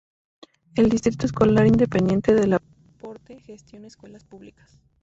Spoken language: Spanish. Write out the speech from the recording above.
El Distrito Escolar Independiente de La Porte gestiona escuelas públicas.